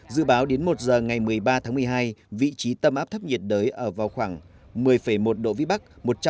dự báo đến một giờ ngày một mươi ba tháng một mươi hai vị trí tâm áp thấp nhiệt đới ở vào khoảng một mươi một độ vĩ bắc